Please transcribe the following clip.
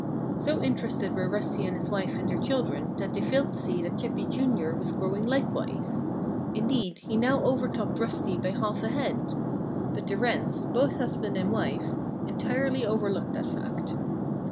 So interested were Rusty and his wife in their children that they failed to see that Chippy, Jr., was growing likewise. Indeed, he now overtopped Rusty by half a head. But the Wrens both husband and wife entirely overlooked that fact.